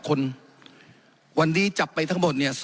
ขออนุโปรประธานครับขออนุโปรประธานครับขออนุโปรประธานครับ